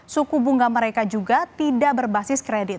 suku bunga mereka juga tidak berbasis kredit